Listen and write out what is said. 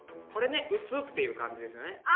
これね「打つ」っていう漢字ですよね。